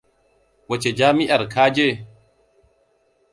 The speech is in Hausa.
Wace jami'ar ka je?